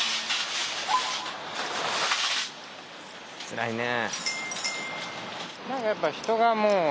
つらいね。